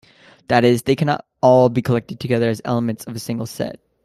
That is, they cannot all be collected together as elements of a single set.